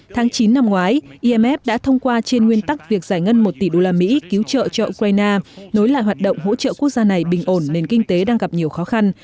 tháng chín năm ngoái imf đã thông qua trên nguyên tắc việc giải ngân một tỷ đô la mỹ cứu trợ cho ukraine nối lại hoạt động hỗ trợ quốc gia này bình ổn nền kinh tế đang gặp nhiều khó khăn